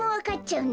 うん！